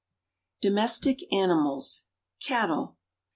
DOMESTIC ANIMALS CATTLE.